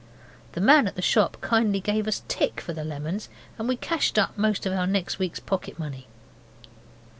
The man at the shop kindly gave us tick for the lemons, and we cashed up out of our next week's pocket money.